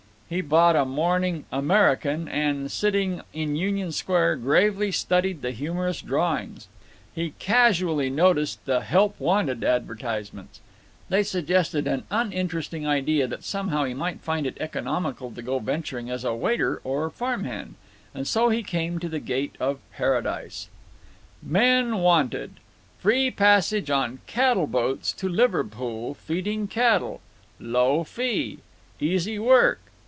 He bought a morning American and, sitting in Union Square, gravely studied the humorous drawings. He casually noticed the "Help Wanted" advertisements. They suggested an uninteresting idea that somehow he might find it economical to go venturing as a waiter or farm hand. And so he came to the gate of paradise: MEN WANTED. Free passage on cattle boats to Liverpool feeding cattle. Low fee. Easy work.